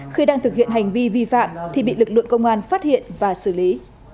khi đang thực hiện hành vi vi phạm thì bị lực lượng công an phát hiện và xử lý